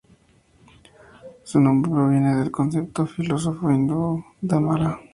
Su nombre proviene del concepto filosófico hindú "Dharma".